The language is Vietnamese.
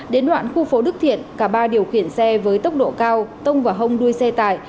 đến đoạn khu phố đức thiện cả ba điều khiển xe với tốc độ cao tông và hông đuôi xe tải